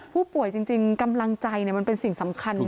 จริงกำลังใจมันเป็นสิ่งสำคัญนะ